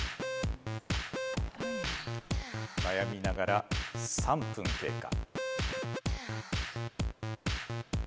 悩みながら３分経過。